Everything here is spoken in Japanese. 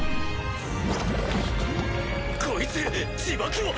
こいつ自爆を！